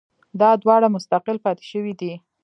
دا دواړه مستقل پاتې شوي دي